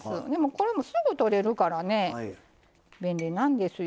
これもすぐとれるからね便利なんですよ。